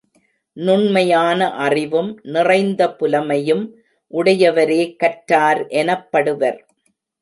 நுண்மையான அறிவும், நிறைந்த புலமையும் உடையவரே கற்றார் எனப்படுவர்.